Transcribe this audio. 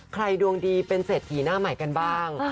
ใครดวงดีเป็นเสดทีหน้าใหม่กันบ้าง